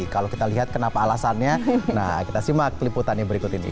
kalau kita lihat kenapa alasannya nah kita simak peliputannya berikut ini